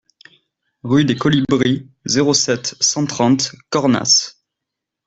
Rue des Colibris, zéro sept, cent trente Cornas